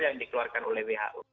yang dikeluarkan oleh who